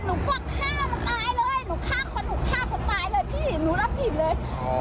อ่อหนูฆ่าคนตายหนูรับผิดเลยอ่ะหนูรับผิดตรงนี้เลย